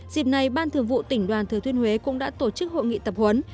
dịp này ban thường vụ tỉnh đoàn thừa thuyên huế cũng đã tổ chức hội nghị tập huấn